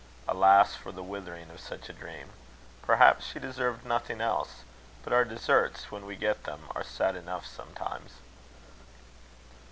Alas, for the withering of such a dream! Perhaps she deserved nothing else; but our deserts, when we get them, are sad enough sometimes.